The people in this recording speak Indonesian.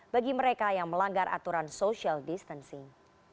bagi mereka yang melanggar aturan social distancing